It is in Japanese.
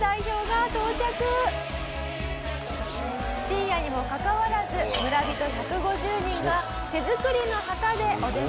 深夜にもかかわらず村人１５０人が手作りの旗でお出迎え。